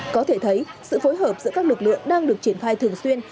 có thể thấy sự phối hợp giữa các lực lượng đang được triển khai thường xuyên